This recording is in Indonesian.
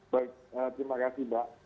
baik terima kasih mbak